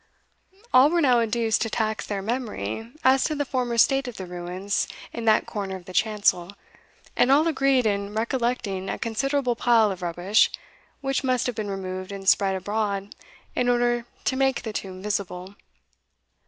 All were now induced to tax their memory as to the former state of the ruins in that corner of the chancel, and all agreed in recollecting a considerable pile of rubbish which must have been removed and spread abroad in order to make the tomb visible.